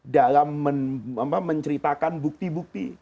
dalam menceritakan bukti bukti